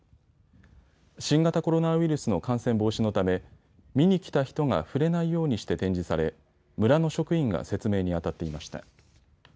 新型コロナウイルスの感染防止のため見に来た人が触れないようにして展示され、村の職員が説明にあたっていました。